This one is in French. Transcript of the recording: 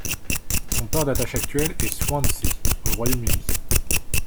Son port d'attache actuel est Swansea au Royaume-Uni.